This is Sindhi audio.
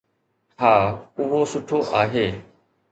ها، اهو سٺو آهي